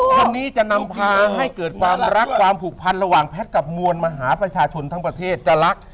ทั้งนี้จะนำพาให้เกิดความรักความผูกพันระหว่างแพทย์กับมวลมหาประชาชนทั้งประเทศจะรัก